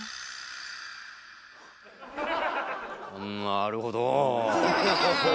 なるほどぉ！